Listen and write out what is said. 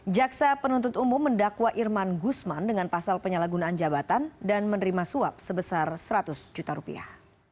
jaksa penuntut umum mendakwa irman gusman dengan pasal penyalahgunaan jabatan dan menerima suap sebesar seratus juta rupiah